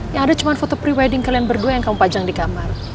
yang ada cuma foto pre wedding kalian berdua yang kamu pajang di kamar